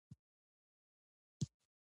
دا هوټل چې اوس موږ په کې یو ډېر عصري نه دی.